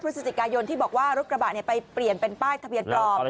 พฤศจิกายนที่บอกว่ารถกระบะไปเปลี่ยนเป็นป้ายทะเบียนปลอม